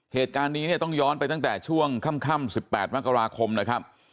เหตุการณ์นี้เนี่ยต้องย้อนไปตั้งแต่ช่วงค่ำ๑๘มกราคมนะครับ